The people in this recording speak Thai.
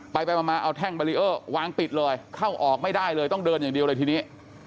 ไปไปมาเอาแท่งบารีเออร์วางปิดเลยเข้าออกไม่ได้เลยต้องเดินอย่างเดียวเลยทีนี้